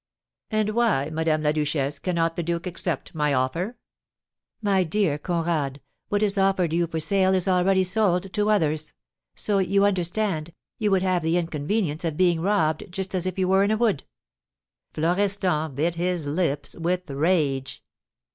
"And why, Madame la Duchesse, cannot the duke accept my offer?" "My dear Conrad, what is offered you for sale is already sold to others. So, you understand, you would have the inconvenience of being robbed just as if you were in a wood." Florestan bit his lips with rage.